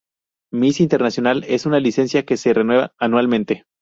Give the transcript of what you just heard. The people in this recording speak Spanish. Miss Internacional es una licencia que se renueva anualmente.